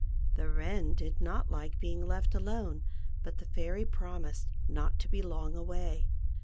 The Wren did not like being left alone, but the Fairy promised not to be long away.